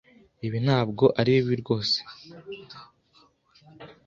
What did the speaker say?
Ibyo ntabwo ari bibi rwose.